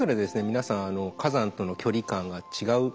皆さん火山との距離感が違う。